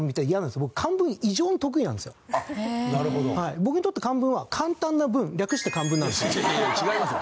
僕にとって漢文は「簡単な文」略して「簡文」なんですよ。